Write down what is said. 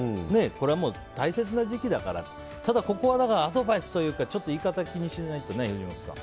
これは大切な時期だからただ、ここはアドバイスというか言い方を気にしないとね。